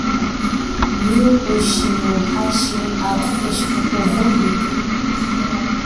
Nyi ushi nyi uhashi athu keshi kukuvumbika.